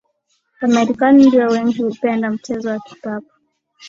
Wamerakani ndio wengi hupenda mchezo wa kikapu